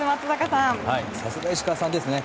さすが石川さんですね。